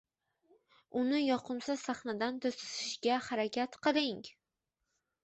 uni yoqimsiz sahnadan to‘sishga harakat qiling.